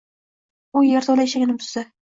U yerto‘la eshigini buzdim.